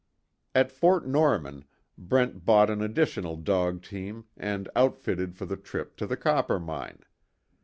At Fort Norman, Brent bought an additional dog team and outfitted for the trip to the Coppermine.